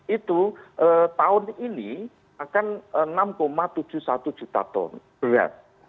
itu tahun ini akan enam tujuh puluh satu juta ton beras